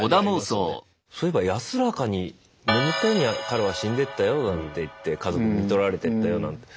そういえば安らかに眠ったように彼は死んでいったよなんて言って家族にみとられてったよなんて。